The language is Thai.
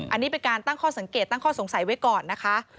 อันนี้เป็นการตั้งข้อสังเกตตั้งข้อสงสัยไว้ก่อนนะคะ